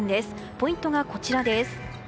ポイントがこちらです。